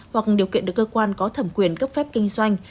hoặc điều kiện được cơ quan có thẩm quyền cấp phép kinh doanh